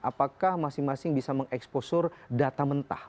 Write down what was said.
apakah masing masing bisa mengeksposur data mentah